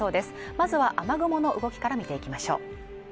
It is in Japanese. まずは雨雲の動きから見ていきましょう